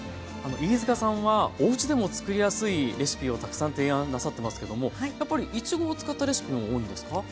飯塚さんはおうちでもつくりやすいレシピをたくさん提案なさってますけどもやっぱりいちごを使ったレシピも多いんですか？